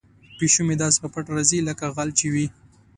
پیشو مې داسې په پټه راځي لکه غل چې وي.